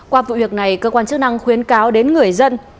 qua vụ việc này cơ quan chức năng khuyến cáo đến người dân